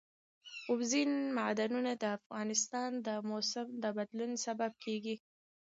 اوبزین معدنونه د افغانستان د موسم د بدلون سبب کېږي.